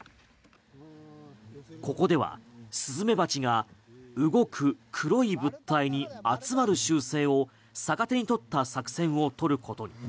ここではスズメバチが動く黒い物体に集まる習性を逆手にとった作戦をとることに。